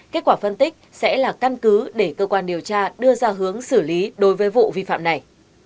kết quả phân tích sẽ là căn cứ để cơ quan điều tra đưa ra hướng xử lý đối với vụ vi phạm này